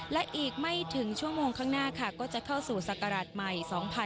และอีกไม่ถึงชั่วโมงข้างหน้าค่ะก็จะเข้าสู่ศักราชใหม่๒๕๖๒